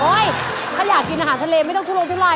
ถ้าอยากกินอาหารทะเลไม่ต้องทุลทุราย